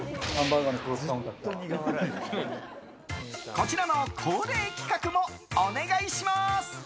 こちらの恒例企画もお願いします。